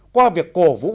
qua việc cổ vũ